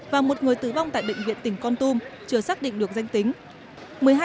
và một người tử vong tại bệnh viện tỉnh con tum chưa xác định được danh tính